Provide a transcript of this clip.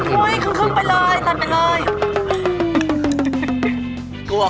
อ้าวคงขึ้นครึ่งถ้วยครึ่งไปเลยตัดไปเลย